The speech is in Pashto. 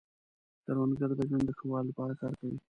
کروندګر د ژوند د ښه والي لپاره کار کوي